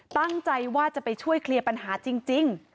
ตั้งใจว่าจะไปช่วยเคลียร์ปัญหาจริง